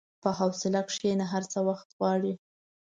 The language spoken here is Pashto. په حوصله کښېنه، هر څه وخت غواړي.